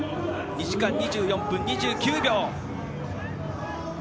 ２時間２４分２９秒。